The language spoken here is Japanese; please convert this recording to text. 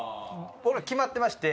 俺ら決まってまして。